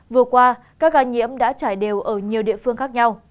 vừa qua các ca nhiễm đã trải đều ở nhiều địa phương khác nhau